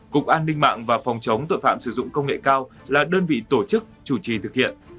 cục an ninh mạng và phòng chống tội phạm sử dụng công nghệ cao là đơn vị tổ chức chủ trì thực hiện